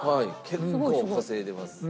結構稼いでます。